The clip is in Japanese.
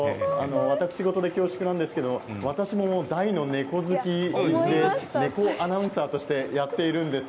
私事で恐縮ですが私も大の猫好きで猫アナウンサーとしてやっているんです。